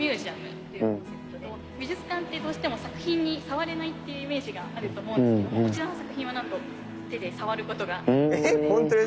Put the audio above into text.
美術館ってどうしても作品に触れないっていうイメージがあると思うんですけどもこちらの作品はなんと手で触る事ができますので。